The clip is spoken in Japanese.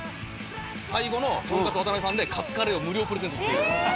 最後の「とんかつ渡辺」さんでカツカレーを無料プレゼント。